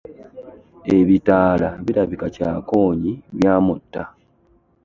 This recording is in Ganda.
Ebitaala birabika Kyakoonye byamuta.